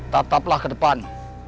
tataplah ke depan